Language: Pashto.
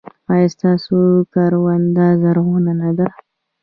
ایا ستاسو کرونده زرغونه نه ده؟